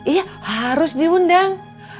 iya harus diundang